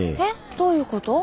どういうこと？